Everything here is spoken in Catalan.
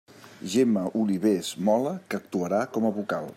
Gemma Olivés Mola, que actuarà com a vocal.